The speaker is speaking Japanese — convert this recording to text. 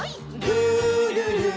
「るるる」